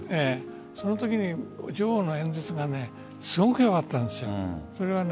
そのときに女王の演説がすごくよかったんです。